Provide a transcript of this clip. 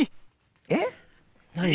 えっ何？